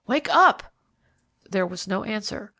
Wake up!" There was no answer.